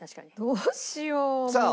どうしようもう。